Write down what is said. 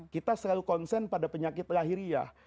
kita selalu konsen pada penyakit lahiriah